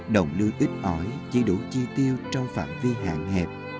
đồng lưu ít ỏi chỉ đủ chi tiêu trong phạm vi hạng hẹp